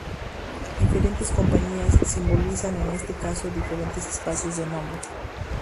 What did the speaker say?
Diferentes compañías simbolizan en este caso diferentes espacios de nombres.